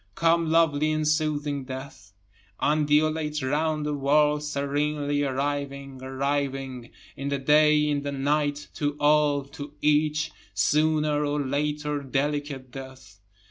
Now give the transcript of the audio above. Come lovely and soothing death, Undulate round the world, serenely arriving, arriving, In the day, in the night, to all, to each, Sooner or later delicate death.